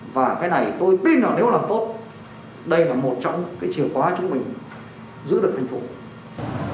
và cái này tôi tin là nếu làm tốt đây là một trong cái chìa khóa chúng mình